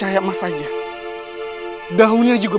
aku akan saja menjaga kamu